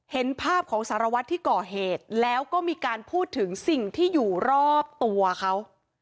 เห็นภาพของสารวัตรที่ก่อเหตุแล้วก็มีการพูดถึงสิ่งที่อยู่รอบตัวเขา